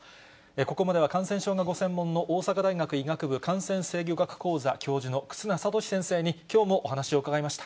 ここまでは感染症がご専門の、大阪大学医学部感染制御学講座教授の忽那賢志先生にきょうもお話を伺いました。